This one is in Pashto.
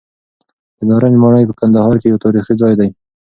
د نارنج ماڼۍ په کندهار کې یو تاریخي ځای دی.